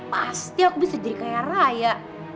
pasti aku bisa jadi kaya raya